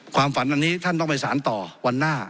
ความฝันอันนี้ท่านต้องไปสารต่อวันหน้า